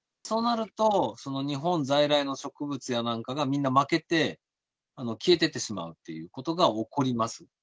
そうなると、その日本在来の植物やなんかがみんな負けて、消えていってしまうということが起こります。